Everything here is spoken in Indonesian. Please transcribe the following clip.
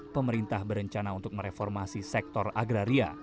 pemerintah berencana untuk mereformasi sektor agraria